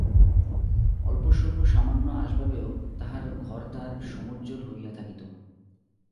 অল্পস্বল্প সামান্য আসবাবেও তাঁহার ঘরদ্বার সমুজ্জ্বল হইয়া থাকিত।